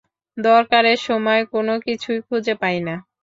দরকারের সময়ে কোনোকিছুই খুঁজে পাই না।